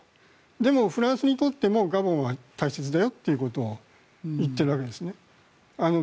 でも、フランスにとってもガボンは大切だよということを言っているわけですね。